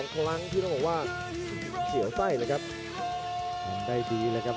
๒ครั้งที่น่าบอกว่าเขียวใจเลยครับ